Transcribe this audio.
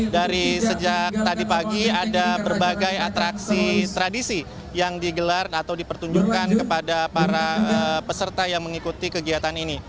dari sejak tadi pagi ada berbagai atraksi tradisi yang digelar atau dipertunjukkan kepada para peserta yang mengikuti kegiatan ini